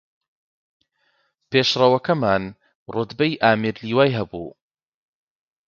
پێشڕەوەکەمان ڕوتبەی ئامیر لیوای هەبوو